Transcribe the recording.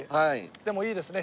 でもいいですね。